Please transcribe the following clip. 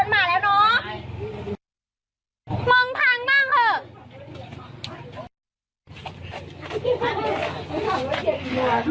มันบ้าละครับ